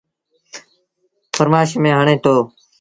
ٿرمآش ميݩ هڻي دو۔